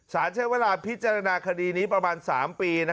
ใช้เวลาพิจารณาคดีนี้ประมาณ๓ปี